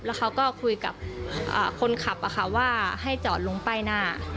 แล้วเขาก็คุยกับคนขับอ่ะค่ะว่าให้จอดลงไปหน้า